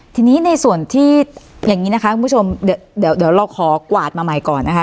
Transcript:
ทีนี้ในส่วนที่อย่างนี้นะคะคุณผู้ชมเดี๋ยวเราขอกวาดมาใหม่ก่อนนะคะ